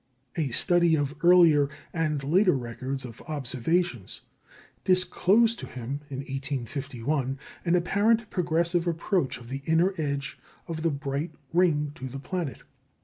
A study of early and later records of observations disclosed to him, in 1851, an apparent progressive approach of the inner edge of the bright ring to the planet.